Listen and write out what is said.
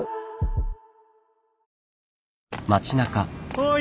おい。